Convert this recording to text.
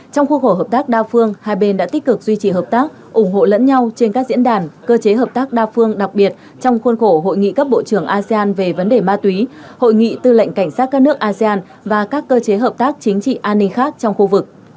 trong khuôn khổ hợp tác đa phương hai bên đã tích cực duy trì hợp tác ủng hộ lẫn nhau trên các diễn đàn cơ chế hợp tác đa phương đặc biệt trong khuôn khổ hội nghị các bộ trưởng asean về vấn đề ma túy hội nghị tư lệnh cảnh sát các nước asean và các cơ chế hợp tác chính trị an ninh khác trong khu vực